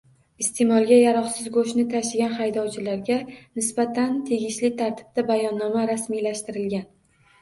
Iste’molga yaroqsiz go‘shtni tashigan haydovchilarga nisbatan tegishli tartibda bayonnoma rasmiylashtirilgan